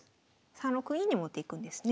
３六銀に持っていくんですね。